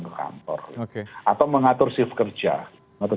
ke kantor atau mengatur